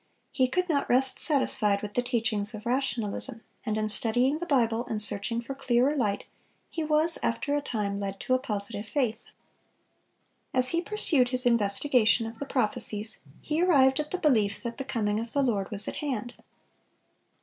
He could not rest satisfied with the teachings of rationalism, and in studying the Bible and searching for clearer light he was, after a time, led to a positive faith. As he pursued his investigation of the prophecies, he arrived at the belief that the coming of the Lord was at hand.